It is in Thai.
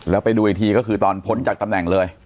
แล้วไปดูอีกทีก็คือตอนพ้นจากตำแหน่งเลย